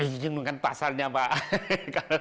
izin dengan pasalnya pak